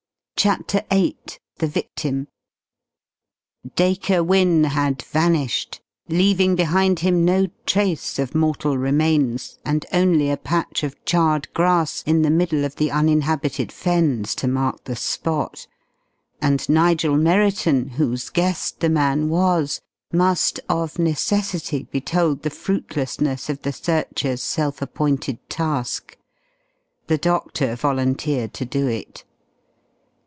CHAPTER VIII THE VICTIM Dacre Wynne had vanished, leaving behind him no trace of mortal remains, and only a patch of charred grass in the middle of the uninhabited Fens to mark the spot. And Nigel Merriton, whose guest the man was, must of necessity be told the fruitlessness of the searchers' self appointed task. The doctor volunteered to do it.